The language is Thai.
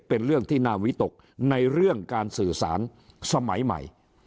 เป็นเรื่องที่น่าวิตกในเรื่องการสื่อสารสมัยใหม่